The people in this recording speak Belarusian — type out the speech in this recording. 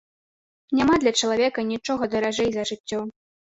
Няма для чалавека нічога даражэй за жыццё.